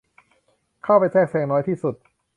เข้าไปแทรกแซงน้อยที่สุด